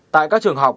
tại các trường học